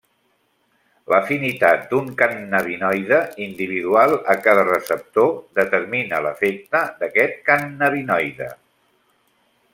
L'afinitat d'un cannabinoide individual a cada receptor determina l'efecte d'aquest cannabinoide.